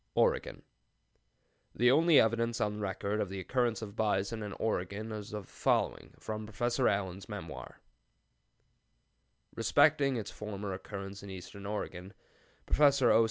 OREGON. The only evidence on record of the occurrence of the bison in Oregon is the following, from Professor Allen's memoir (p. 119): "Respecting its former occurrence in eastern Oregon, Prof. O.